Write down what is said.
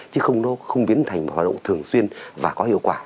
chứ không biến thành một hoạt động thường xuyên và có hiệu quả